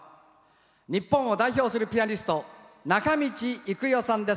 日本を代表するピアニスト仲道郁代さんです。